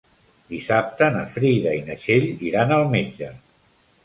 Dissabte na Frida i na Txell iran al metge.